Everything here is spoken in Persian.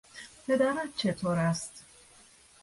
پدرت چطور است؟